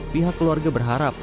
pihak keluarga berharap